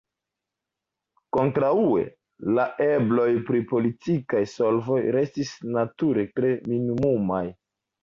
Kontraŭe, la ebloj pri politikaj solvoj restis, nature, tre minimumaj.